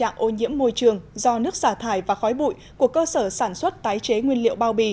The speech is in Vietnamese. trạng ô nhiễm môi trường do nước xả thải và khói bụi của cơ sở sản xuất tái chế nguyên liệu bao bì